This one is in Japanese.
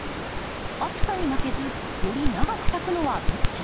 暑さに負けずより長く咲くのはどっち？